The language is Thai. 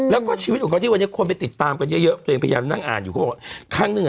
แล้วก็ชีวิตของเขาที่วันนี้ควรไปติดตามกันเยอะตัวเองพยายามนั่งอ่านอยู่ข้างนึง